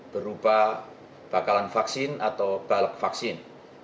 berupa bakalan vaksin atau balek vaksin